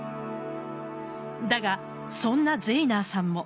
だが、そんなゼイナーさんも。